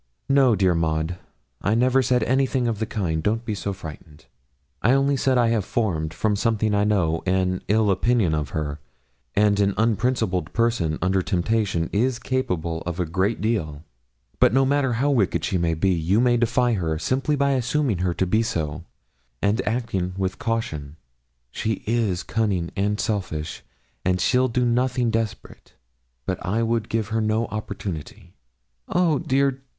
'No, dear Maud, I never said anything of the kind; don't be so frightened: I only said I have formed, from something I know, an ill opinion of her; and an unprincipled person, under temptation, is capable of a great deal. But no matter how wicked she may be, you may defy her, simply by assuming her to be so, and acting with caution; she is cunning and selfish, and she'll do nothing desperate. But I would give her no opportunity.' 'Oh, dear!